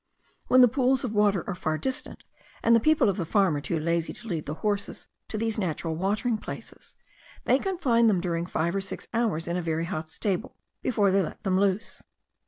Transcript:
When the pools of water are far distant, and the people of the farm are too lazy to lead the cattle to these natural watering places, they confine them during five or six hours in a very hot stable before they let them loose.